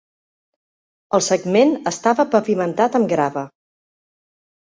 El segment estava pavimentat amb grava.